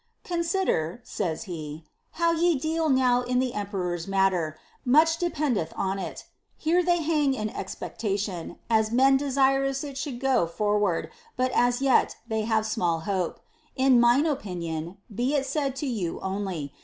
*"Con>ider," says he, "how ye deal now in the emperor's matter; much de pendeth on it. Here they hang in expectation, as men desirous it should go forward, but as yet they have small hope. In mine opiuion (be it ^aid to you (•nly).